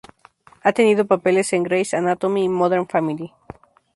Ha tenido papeles en "Grey's Anatomy" y "Modern Family".